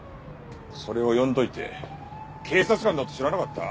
それを呼んどいて警察官だと知らなかった？